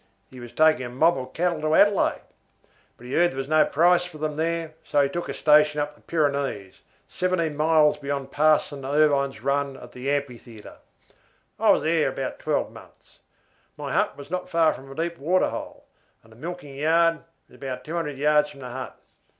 He was taking a mob of cattle to Adelaide, but he heard there was no price for them there, so he took up a station at the Pyrenees, seventeen miles beyond Parson Irvine's run at the Amphitheatre. I was there about twelve months. My hut was not far from a deep waterhole, and the milking yard was about two hundred yards from the hut.